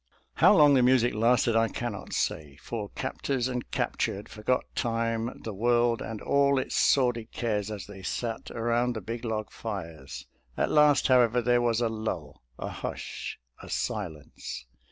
How long the music lasted, I cannot say, for captors and captured forgot time, the world and all its sordid cares, as they sat around the big log fires. At last, however, there was a lull, a hush, a silence.